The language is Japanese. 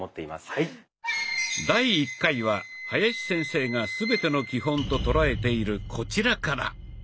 第１回は林先生が全ての基本と捉えているこちらから。